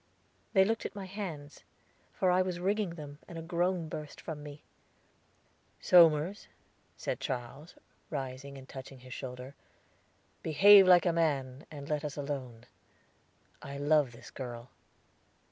They looked at my hands, for I was wringing them, and a groan burst from me. "Somers," said Charles, rising and touching his shoulder, "behave like a man, and let us alone; I love this girl."